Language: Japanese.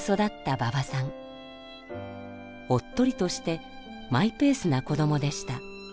おっとりとしてマイペースな子どもでした。